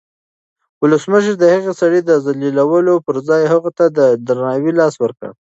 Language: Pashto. ولسمشر د هغه سړي د ذلیلولو پر ځای هغه ته د درناوي لاس ورکړ.